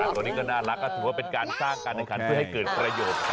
ตัวนี้ก็น่ารักถือว่าเป็นการสร้างการเนินคันเพื่อให้เกิดประโยชน์ของทุกไป